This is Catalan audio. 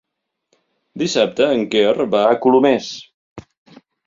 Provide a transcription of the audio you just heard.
Dissabte en Quer va a Colomers.